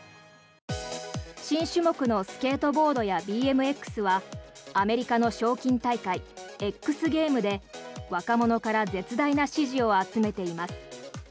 新種目のスケートボードやＢＭＸはアメリカの賞金大会Ｘゲームで若者から絶大な支持を集めています。